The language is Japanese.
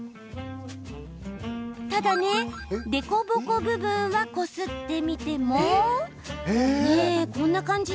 ただ凸凹部分はこすってみても、こんな感じ。